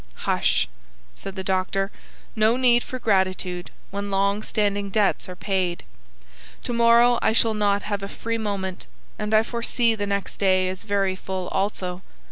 "Hush," said the doctor. "No need for gratitude when long standing debts are paid. To morrow I shall not have a free moment, and I foresee the next day as very full also.